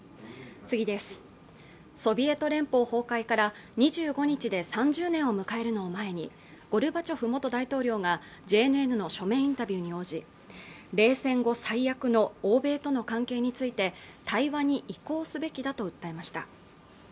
ソビエト連邦崩壊から２５日で３０年を迎えるのを前にゴルバチョフ元大統領がＪＮＮの書面インタビューに応じ冷戦後最悪の欧米との関係について対話に移行すべきだと訴えました